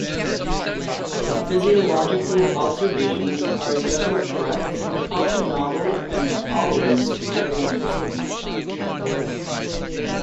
The physiological observations are in general correct, often novel, and always highly interesting.